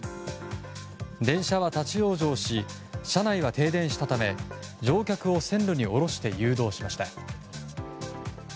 電車は立ち往生し車内は停電したため乗客を線路に下ろして誘導しました。